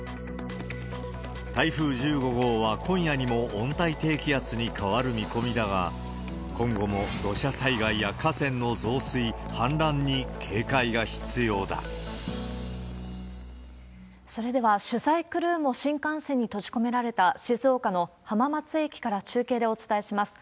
台風１５号は今夜にも温帯低気圧に変わる見込みだが、今後も土砂災害や河川の増水、それでは、取材クルーも新幹線に閉じ込められた、静岡の浜松駅から中継でお伝えします。